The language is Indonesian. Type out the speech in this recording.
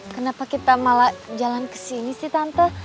kenapa kita malah jalan kesini sih tante